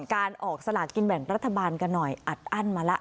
การออกสลากินแบ่งรัฐบาลกันหน่อยอัดอั้นมาแล้ว